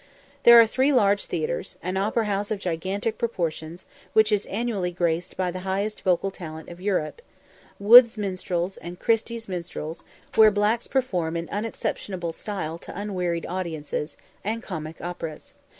There are three large theatres; an opera house of gigantic proportions, which is annually graced by the highest vocal talent of Europe; Wood's minstrels, and Christy's minstrels, where blacks perform in unexceptionable style to unwearied audiences; and comic operas.